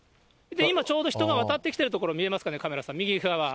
今ちょうど人が渡ってきているところ、見えますかね、カメラさん、右側。